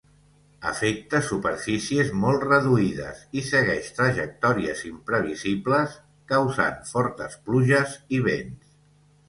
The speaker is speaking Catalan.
Afecta superfícies molt reduïdes i segueix trajectòries imprevisibles, causant fortes pluges i vents.